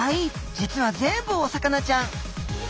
実は全部お魚ちゃん。